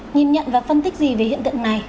nhìn nhận và phân tích gì về hiện tượng này